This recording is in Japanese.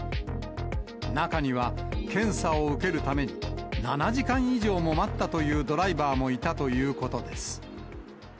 中には、検査を受けるために７時間以上も待ったというドライバーもいたということです。